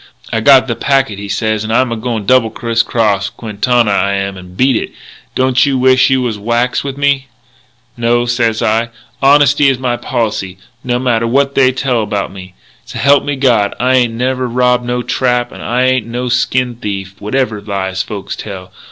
"'I got the packet,' he sez, 'and I'm a going to double criss cross Quintana, I am, and beat it. Don't you wish you was whacks with me?' "'No,' sez I, 'honesty is my policy, no matter what they tell about me. S'help me God, I ain't never robbed no trap and I ain't no skin thief, whatever lies folks tell.